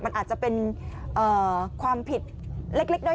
มันอาจจะเป็นความผิดเล็กน้อย